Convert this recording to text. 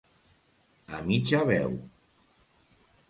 A mitja veu.